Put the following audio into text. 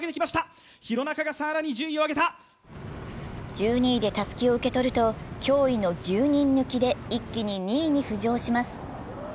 １２位でたすきを受け取ると、驚異の１０人抜きで一気に２位に浮上します。